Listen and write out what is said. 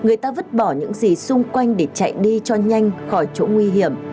người ta vứt bỏ những gì xung quanh để chạy đi cho nhanh khỏi chỗ nguy hiểm